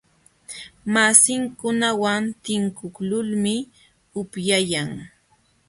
Masinkunawan tinkuqlulmi upyayan.